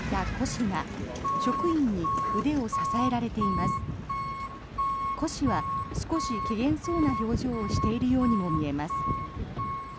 胡氏は少し怪訝そうな表情をしているようにも見えます。